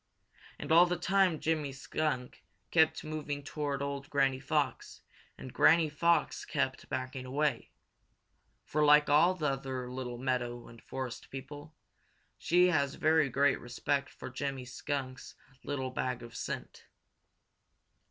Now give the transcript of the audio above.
And all the time Jimmy Skunk kept moving toward old Granny Fox and Granny Fox kept backing away, for, like all the other little meadow and forest people, she has very great respect for Jimmy Skunk's little bag of scent.